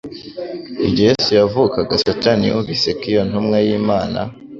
Igihe Yesu yavukaga Satani yumvise ko iyo ntumwa y'Imana,